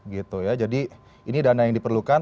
gitu ya jadi ini dana yang diperlukan